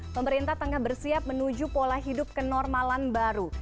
pemerintah tengah bersiap menuju pola hidup kenormalan baru